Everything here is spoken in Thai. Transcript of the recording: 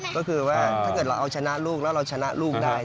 ถ้าเราเอาชนะลูกแล้วเราชนะลูกได้